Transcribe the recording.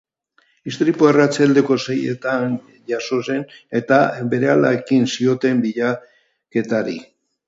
Istripua arratsaldeko seietan jazo zen, eta berehala ekin zioten bilaketari.